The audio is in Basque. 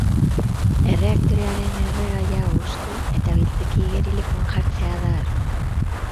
Erreaktorearen erregaia hustu eta biltegi-igerilekuan jartzea da asmoa.